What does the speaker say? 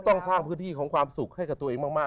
ต้องสร้างพื้นที่ของความสุขให้กับตัวเองมาก